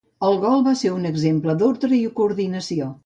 El gol va ser un exemple d’ordre i coordinació.